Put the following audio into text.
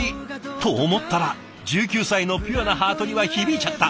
と思ったら１９歳のピュアなハートには響いちゃった。